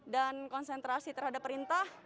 dan konsentrasi terhadap perintah